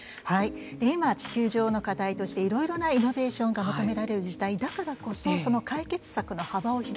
今地球上の課題としていろいろなイノベーションが求められる時代だからこそその解決策の幅を広げる。